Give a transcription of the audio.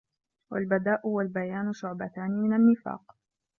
وَالْبَذَاءُ وَالْبَيَانُ شُعْبَتَانِ مِنْ النِّفَاقِ